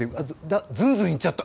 ずんずん行っちゃった。